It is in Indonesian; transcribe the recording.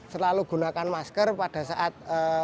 selalu gunakan masker pada saat